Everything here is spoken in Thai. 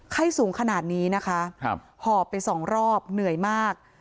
ไข้สูงขนาดนี้นะคะหอบไปสองรอบเหนื่อยมาก